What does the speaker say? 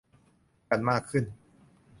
กันมากขึ้น